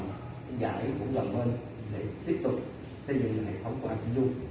giải cũng gần hơn để tiếp tục xây dựng hệ thống của icu